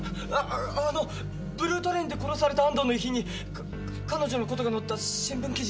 あのブルートレインで殺された安藤の遺品に彼女のことが載った新聞記事があったんです。